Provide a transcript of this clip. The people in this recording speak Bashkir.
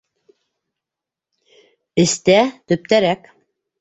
Эстә, төптәрәк.